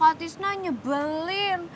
abis kakak tisna nyebelin